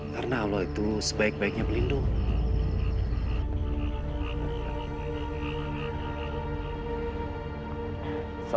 karena allah itu sebaik baiknya melindungi